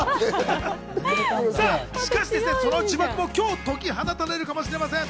その時間、今日解き放たれるかもしれません。